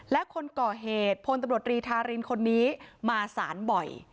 และคนก่อเหตุพลตบริษฐารินคนนี้มาสานบ่อย